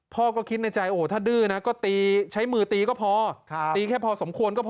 พ่อก็คิดในใจโอ้โหถ้าดื้อนะก็ตีใช้มือตีก็พอตีแค่พอสมควรก็พอ